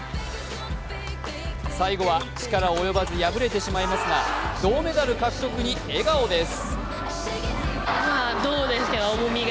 最後は力及ばず敗れてしまいますが銅メダル獲得に笑顔です。